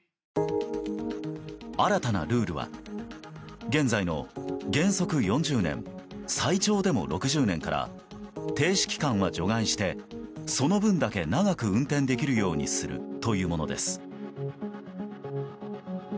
新たなルールは現在の原則４０年最長でも６０年から停止期間は除外してその分だけ長く運転できるようにするというものです。